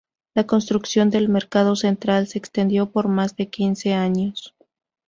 La construcción del Mercado Central se extendió por más de quince años.